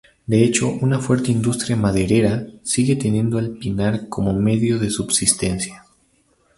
De hecho una fuerte industria maderera sigue teniendo al pinar como medio de subsistencia.